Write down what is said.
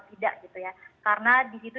tidak gitu ya karena di situ